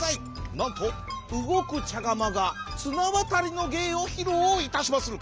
なんとうごくちゃがまがつなわたりのげいをひろういたしまする。